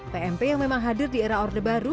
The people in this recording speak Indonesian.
pmp yang memang hadir di era orde baru